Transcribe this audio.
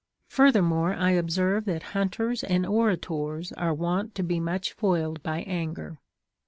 Furthermore, I observe that hunters and orators are wont to be much foiled by anger.